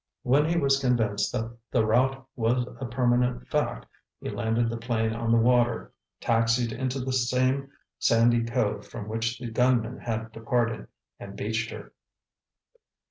When he was convinced that the rout was a permanent fact, he landed the plane on the water, taxied into the same sandy cove from which the gunmen had departed, and beached her.